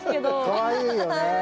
はい。